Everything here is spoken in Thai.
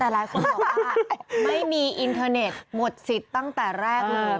แต่หลายคนบอกว่าไม่มีอินเทอร์เน็ตหมดสิทธิ์ตั้งแต่แรกเลย